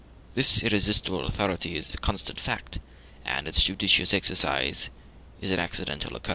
This irresistible authority is a constant fact, and its judicious exercise is an accidental occurrence.